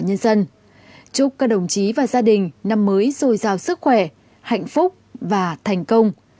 nhân dân chúc các đồng chí và gia đình năm mới rồi giao sức khỏe hạnh phúc và thành công